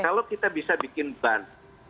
kalau kita bisa bikin ban